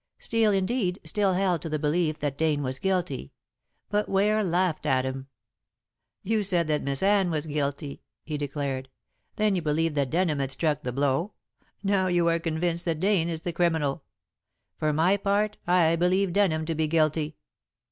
Steel, indeed, still held to the belief that Dane was guilty; but Ware laughed at him. "You said that Miss Anne was guilty," he declared; "then you believed that Denham had struck the blow; now you are convinced that Dane is the criminal. For my part I believe Denham to be guilty."